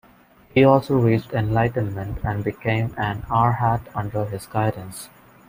He also reached enlightenment and became an arhat under his guidance.